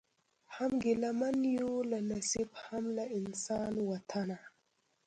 هم ګیله من یو له نصیب هم له انسان وطنه